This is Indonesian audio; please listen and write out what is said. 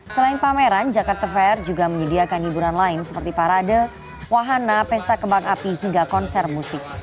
selain pameran jakarta fair juga menyediakan hiburan lain seperti parade wahana pesta kembang api hingga konser musik